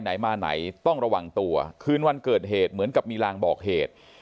ไหนมาไหนต้องระวังตัวคืนวันเกิดเหตุเหมือนกับมีลางบอกเหตุ